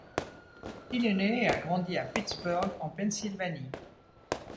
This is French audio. Il est né et a grandi à Pittsburgh, en Pennsylvanie.